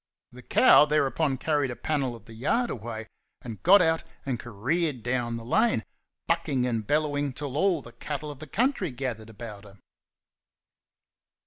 The cow thereupon carried a panel of the yard away, and got out and careered down the lane, bucking and bellowing till all the cattle of the country gathered about her.